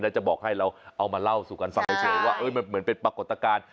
น่าจะบอกให้เราเอามาเล่าสู่กันซักหน่อยเฉยว่าเหมือนเป็นปรากฏการณ์